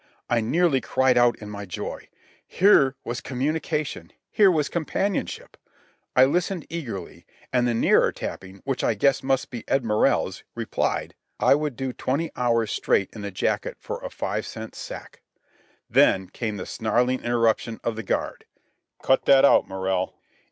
I nearly cried out in my joy. Here was communication! Here was companionship! I listened eagerly, and the nearer tapping, which I guessed must be Ed Morrell's, replied: "I—would—do—twenty—hours—strait—in—the—jacket—for—a—five—cent—sack—" Then came the snarling interruption of the guard: "Cut that out, Morrell!"